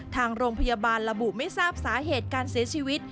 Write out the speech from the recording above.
ทางโรงพยาบาลระบุไม่ทราบสาเหตุที่กัน